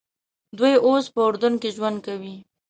دوی اوس په اردن کې ژوند کوي.